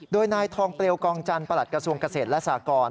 โดยนายทองเปลวกองจันทร์ประหลัดกระทรวงเกษตรและสากร